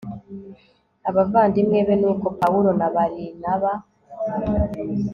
abavandimwe be nuko pawulo na barinaba